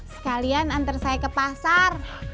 sekalian antar saya ke pasar